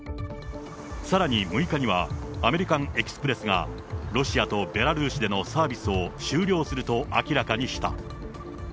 さらに６日にはアメリカン・エキスプレスが、ロシアとベラルーシでのサービスを終了すると明らかにした。